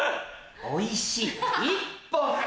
おいしい一本！